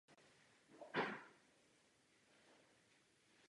Kýros zavádí mnoho nových pravidel a vládne spravedlivě a v pozitivním duchu.